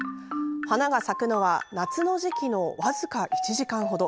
花が咲くのは夏の時期の僅か１時間程。